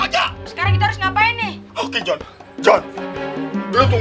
maja aja siapa yang ngebukain siapa biar gue beresin ya ampun sekarang